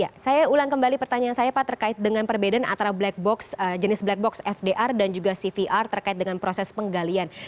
ya saya ulang kembali pertanyaan saya pak terkait dengan perbedaan antara black box jenis black box fdr dan juga cvr terkait dengan proses penggalian